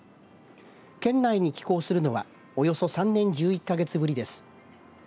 県内に寄港するのはおよそ３年１１か月ぶりです。